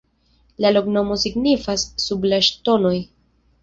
La loknomo signifas: "sub la ŝtonoj".